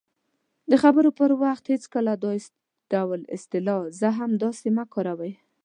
-د خبرو پر وخت هېڅکله دا ډول اصطلاح"زه هم همداسې" مه کاروئ :